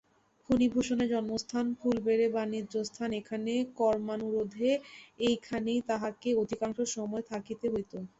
ফণিভূষণের জন্মস্থান ফুলবেড়ে, বাণিজ্যস্থান এখানে কর্মানুরোধে এইখানেই তাহাকে অধিকাংশ সময় থাকিতে হইত।